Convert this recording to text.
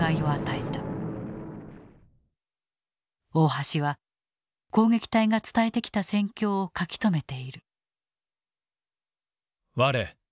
大橋は攻撃隊が伝えてきた戦況を書き留めている。